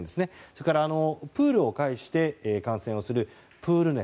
それから、プールを介して感染をするプール熱。